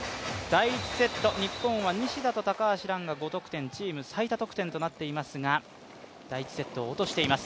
第１セット、日本は西田と高橋藍が５得点、チーム最多得点となっていますが第１セットを落としています。